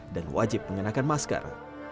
dan wajib mengenakan masker